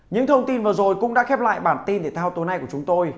những thông tin vừa rồi cũng đã khép lại bản tin thể thao tối nay của chúng tôi